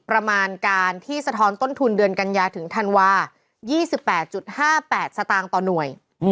ประมาณการที่สะท้อนต้นทุนเดือนกันยาถึงธันวา๒๘๕๘สตางค์ต่อหน่วย